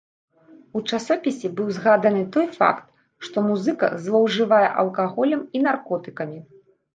У часопісе быў згаданы той факт, што музыка злоўжывае алкаголем і наркотыкамі.